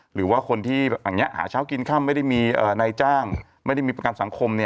หรือว่าคนที่หาเช้ากินค่ำไม่ได้มีนายจ้างไม่ได้มีประกันสังคม